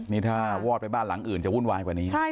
นี่ถ้าวอดไปบ้านหลังอื่นจะวุ่นวายกว่านี้